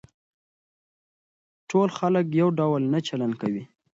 ټول خلک يو ډول نه چلن کوي.